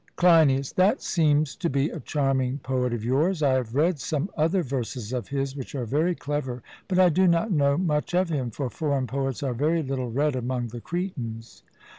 CLEINIAS: That seems to be a charming poet of yours; I have read some other verses of his, which are very clever; but I do not know much of him, for foreign poets are very little read among the Cretans.